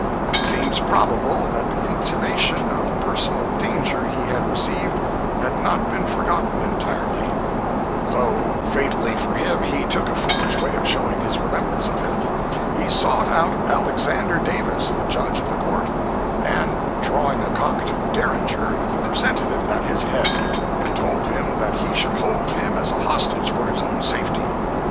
It seems probable that the intimation of personal danger he had received had not been forgotten entirely; though fatally for him, he took a foolish way of showing his remembrance of it. He sought out Alexander Davis, the Judge of the Court, and drawing a cocked Derringer, he presented it at his head, and told him that he should hold him as a hostage for his own safety.